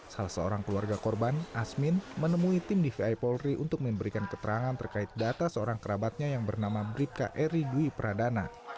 salah seorang keluarga korban asmin menemui tim dvi polri untuk memberikan keterangan terkait data seorang kerabatnya yang bernama bribka eri dwi pradana